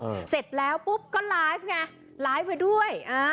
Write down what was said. เสร็จแล้วปุ๊บก็ไลฟ์ไงไลฟ์ไปด้วยอ่า